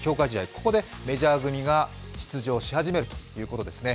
ここでメジャー組が出場し始めるということですね。